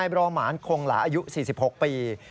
บรอมานคงหลาอายุ๔๖ปี